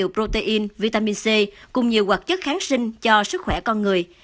protein vitamin c cùng nhiều hoạt chất kháng sinh cho sức khỏe con người